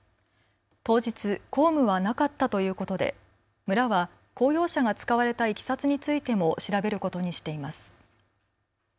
当日、公務はなかったということで村は公用車が使われたいきさつについても調べることにしています。